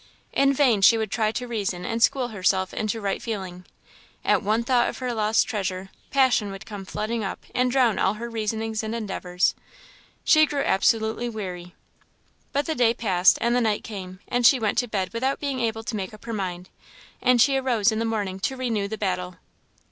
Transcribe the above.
In vain she would try to reason and school herself into right feeling; at one thought of her lost treasure, passion would come flooding up, and drown all her reasonings and endeavours. She grew absolutely weary. But the day passed, and the night came, and she went to bed without being able to make up her mind, and she arose in the morning to renew the battle.